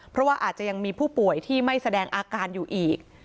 เพราะว่าอาจจะยังมีผู้ป่วยที่ไม่แสดงอาการอยู่อีก